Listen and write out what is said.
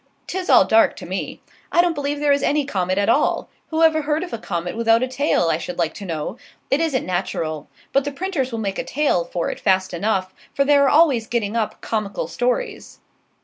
'Tis all dark to me. I don't believe there is any comet at all. Who ever heard of a comet without a tail, I should like to know? It isn't natural; but the printers will make a tale for it fast enough, for they are always getting up comical stories."